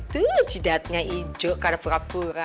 tuh jidatnya hijau karena pura pura